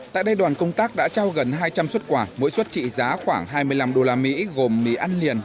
tại đây đoàn công tác đã trao gần hai trăm linh xuất quà mỗi xuất trị giá khoảng hai mươi năm usd gồm mì ăn liền